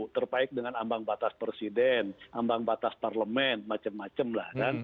terbaik dengan ambang batas presiden ambang batas parlemen macem macem lah kan